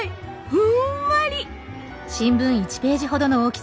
ふんわり！